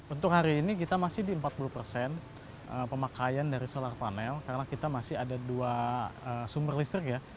untuk hari ini kita masih di empat puluh persen pemakaian dari solar panel karena kita masih ada dua sumber listrik ya